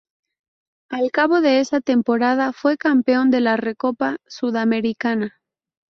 Al cabo de esa temporada fue campeón de la Recopa Sudamericana.